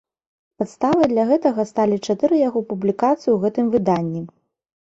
Падставай для гэтага сталі чатыры яго публікацыі ў гэтым выданні.